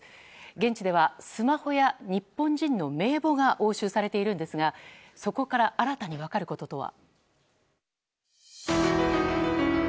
現地ではスマホや日本人の名簿が押収されているんですがそこから新たに分かることとは。